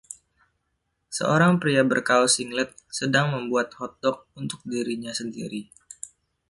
Seorang pria berkaus singlet sedang membuat hotdog untuk dirinya sendiri.